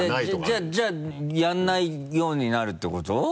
じゃあじゃあやらないようになるってこと？